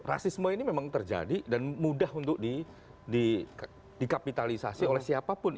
rasisme ini memang terjadi dan mudah untuk dikapitalisasi oleh siapapun